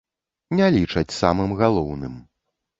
Не лічаць самым галоўным.